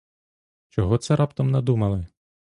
Чого це раптом надумали?